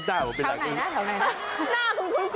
นี่ไงไปพื้นที่ชุ่มแขะมาเหรอ